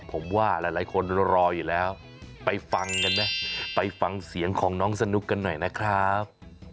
ผมว่าหลายคนรออยู่แล้วไปฟังกันไหมไปฟังเสียงของน้องสนุกกันหน่อยนะครับ